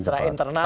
dan serah internal